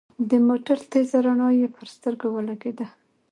د موټر تېزه رڼا يې پر سترګو ولګېده.